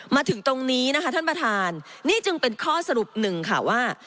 มาถึงตรงนี้นะคะท่านประธานนี่จึงเป็นข้อสรุปหนึ่งค่ะว่า